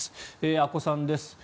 阿古さんです。